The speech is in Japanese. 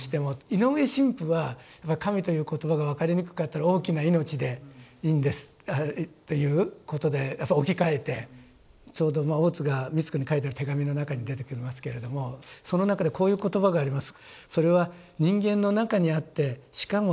井上神父はやっぱり「神」という言葉が分かりにくかったら「大きな命でいいんです」ということでやっぱり置き換えてちょうど大津が美津子に書いてる手紙の中に出てきますけれどもその中でこういう言葉があります。